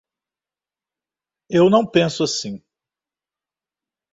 Eu não penso assim.